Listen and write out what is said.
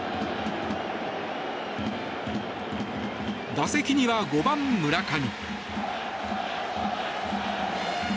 打席には５番、村上。